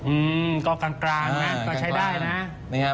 อืมก็กลางกลางนะก็ใช้ได้นะ